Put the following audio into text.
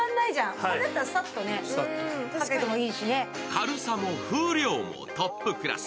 軽さも風量もトップクラス。